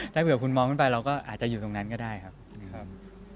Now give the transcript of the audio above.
ถ้าเผื่อคุณมองขึ้นไปเราก็อาจจะอยู่ตรงนั้นก็ได้ครับ